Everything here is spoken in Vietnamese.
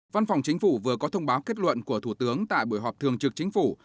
văn phòng chính phủ vừa có thông báo kết luận của thủ tướng tại buổi họp thường trực chính phủ